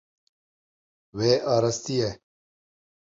Wê arastiye.